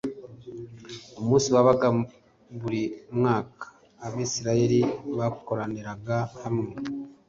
Umunsi wabaga buri mwaka Abisirayeli bakoraniraga hamwe